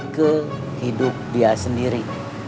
ke hidup dia sendiri